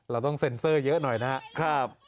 เราต้องเซ็นเซอร์เยอะหน่อยนะครับ